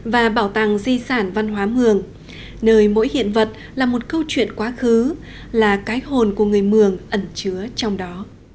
và bảo tàng di sản văn hóa mường nơi mỗi hiện vật là một câu chuyện quá khứ là cái hồn của người mường ẩn chứa trong đó